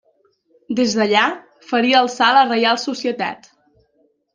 Des d'allà, faria el salt a Reial Societat.